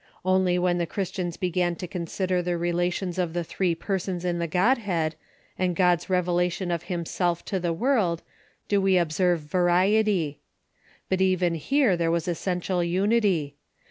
Only when the Christians began to consider the relations of the three persons in the Godhead, and God's revelation of himself to the world, do we observe variety. But even here there was essential unity.